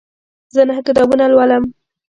زه نهه کتابونه لولم.